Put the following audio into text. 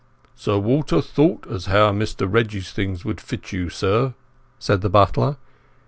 "Sir Walter thought as how Mr Reggie's things would fit you, sir," said the butler.